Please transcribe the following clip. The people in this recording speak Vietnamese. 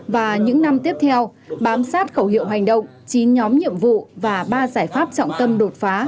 và những năm tiếp theo bám sát khẩu hiệu hành động chín nhóm nhiệm vụ và ba giải pháp trọng tâm đột phá